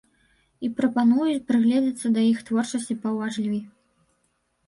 І прапануюць прыглядзецца да іх творчасці паўважлівей.